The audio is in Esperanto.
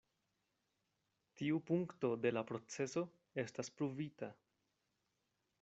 Tiu punkto de la proceso estas pruvita.